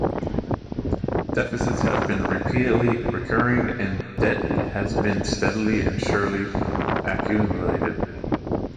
Deficits have been repeatedly recurring, and debt has been steadily and surely accumulated.